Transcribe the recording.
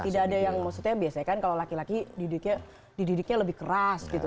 tidak ada yang maksudnya biasanya kan kalau laki laki dididiknya lebih keras gitu